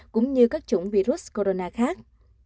cũng như các chủng virus corona khác